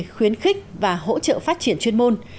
khuyến khích và hỗ trợ phát triển chuyên môn